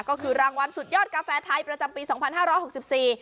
ก็คือรางวัลสุดยอดกาแฟไทยประจำปีสองพันห้าร้อยหกสิบสี่